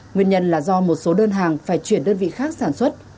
nguyên nhân là do một số đơn hàng phải chuyển đơn vị khác sản xuất